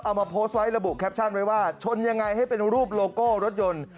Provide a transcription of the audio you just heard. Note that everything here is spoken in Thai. เอามาโพสต์ไว้ระบุแคปชั่นไว้ว่าชนยังไงให้เป็นรูปโลโก้รถยนต์